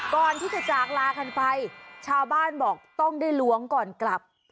จากลากันไปชาวบ้านบอกต้องได้ล้วงก่อนกลับ